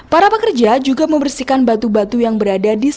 para pekerja juga membersihkan batu batu yang berada di sini